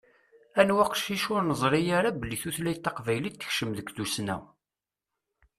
Anwa aqcic ur nezṛi ara belli tutlayt taqbaylit tekcem deg tussna.